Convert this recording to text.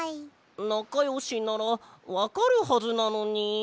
なかよしならわかるはずなのに。